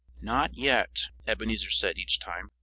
"Not yet!" Ebenezer said, each time.